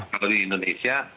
kalau di indonesia